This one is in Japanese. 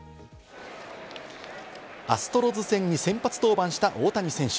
アストロズ戦に先発登板した大谷選手。